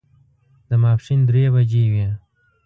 د ماسپښین درې بجې وې.